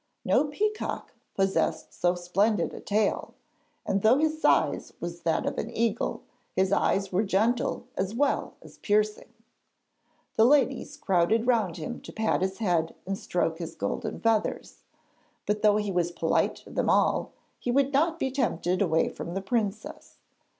No peacock possessed so splendid a tail, and though his size was that of an eagle, his eyes were gentle as well as piercing. The ladies crowded round him to pat his head and stroke his golden feathers, but though he was polite to them all, he would not be tempted away from the princess.